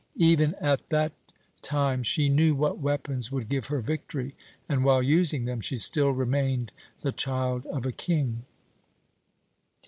Even at that time she knew what weapons would give her victory and, while using them, she still remained the child of a king.